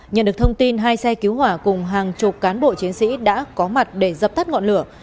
nhận được thông tin hai xe cứu hỏa cùng hàng chục cán bộ chiến sĩ đã có mặt để dập tắt ngọn lửa